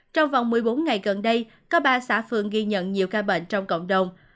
trong vòng một mươi bốn ngày gần đây có ba xã phường ghi nhận nhiều ca bệnh trong cộng đồng